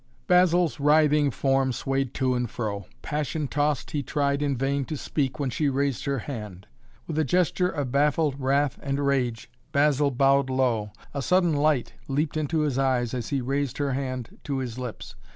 Basil's writhing form swayed to and fro; passion tossed he tried in vain to speak when she raised her hand. With a gesture of baffled wrath and rage Basil bowed low. A sudden light leaped into his eyes as he raised her hand to his lips.